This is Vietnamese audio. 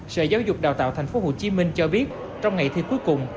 sở giáo dục đào tạo tp hcm cho biết trong ngày thi cuối cùng